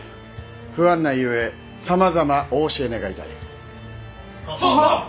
不案内ゆえさまざまお教え願いたい。ははぁ。